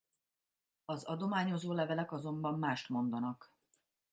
Az adományozó levelek azonban mást mondanak.